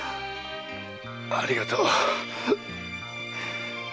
ありがとう。